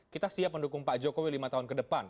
kita siap mendukung pak jokowi lima tahun ke depan